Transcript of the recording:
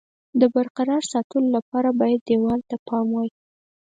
د برقرار ساتلو لپاره باید دېوال ته پام وای.